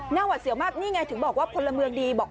น่าว่าเสียวมากนี่ไงถึงบอกว่าคนละเมืองดี